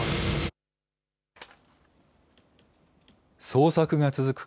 捜索が続く